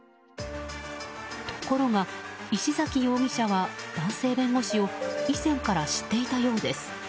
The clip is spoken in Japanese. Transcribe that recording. ところが、石崎容疑者は男性弁護士を以前から知っていたようです。